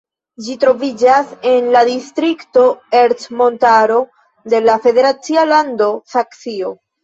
Ĝi troviĝas en la distrikto Ercmontaro de la federacia lando Saksio.